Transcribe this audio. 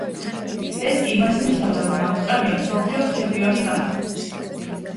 ეს კი იმას ნიშნავდა რომ ავსტრალია მსოფლიოს ჩემპიონი გახდა.